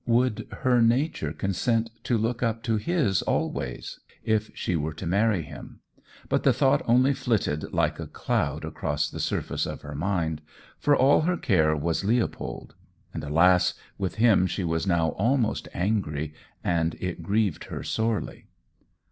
Would her nature consent to look up to his always, if she were to marry him? But the thought only flitted like a cloud across the surface of her mind, for all her care was Leopold, and alas! with him she was now almost angry, and it grieved her sorely.